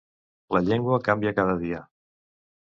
La llengua canvia cada dia.